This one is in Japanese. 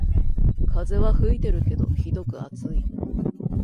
風は吹いてるけどひどく暑い